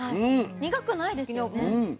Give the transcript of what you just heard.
苦くないですよね。